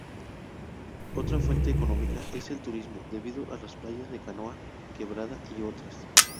Otra fuente económica es el turismo, debido las playas de Canoa Quebrada y otras.